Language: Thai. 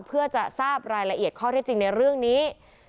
เพื่อจะทราบรายละเอียดข้อเท็จจริงในเรื่องนี้